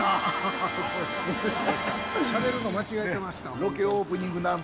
しゃべるの間違えてましたわ。